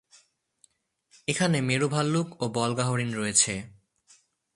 এখানে মেরু ভাল্লুক ও বল্গাহরিণ রয়েছে।